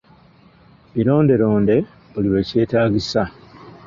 Bironde londe buli lwekyetaagisa.